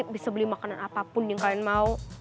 bisa beli makanan apapun yang kalian mau